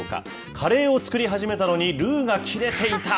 カレーを作り始めたのに、ルーが切れていた。